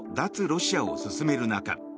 ロシアを進める中